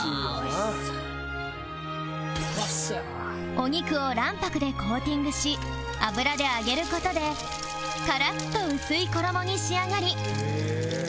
お肉を卵白でコーティングし油で揚げる事でカラッと薄い衣に仕上がり